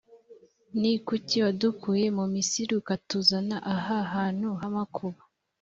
ni kuki wadukuye mu misiri ukatuzana aha hantu h’amakuba.